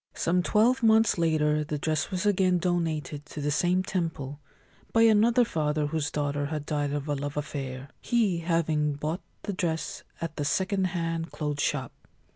Some twelve months later the dress was again donated to the same temple by another father whose daughter had died of a love affair, he having bought the dress at the second hand clothes shop.